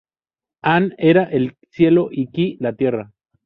An, era el Cielo y Ki, la Tierra.